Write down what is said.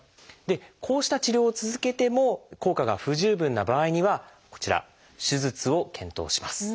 こうした治療を続けても効果が不十分な場合にはこちら手術を検討します。